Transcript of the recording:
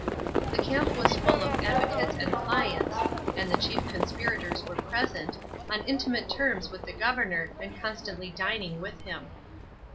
The camp was mil of advocates and clients, and the chief conspirators were present, on intimate terms with the governor and c nsiantly dining with him.